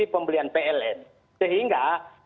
pembelian pln sehingga